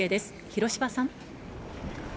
広芝さん。